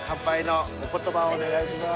お願いします。